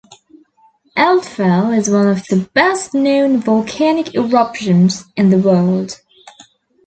Eldfell is one of the best known volcanic eruptions in the world.